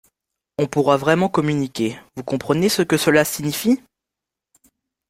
On pourra vraiment communiquer, vous comprenez ce que cela signifie?